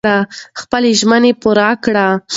خپلې ژمنې پوره کړئ.